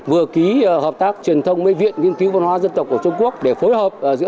vừa ký hợp tác truyền thông với viện nghiên cứu văn hóa dân tộc của trung quốc để phối hợp giữa